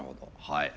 はい。